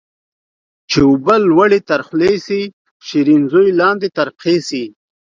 چي اوبه لوړي تر خولې سي ، شيرين زوى لاندي تر پښي سي